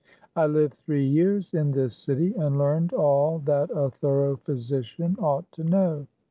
I lived three years in this city, and learned all that a thorough physician ought to know.